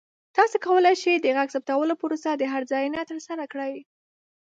تاسو کولی شئ د غږ ثبتولو پروسه د هر ځای نه ترسره کړئ.